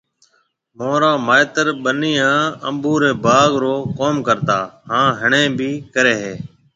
مهارآ مائيتر ٻنِي هانَ انڀو ري باگ رو ڪم ڪرتا هانَ هڻي بهيَ ڪري هيَ۔